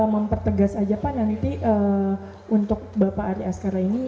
mempertegas aja pak nanti untuk bapak ari askara ini